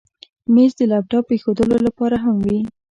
مېز د لپټاپ ایښودلو لپاره هم وي.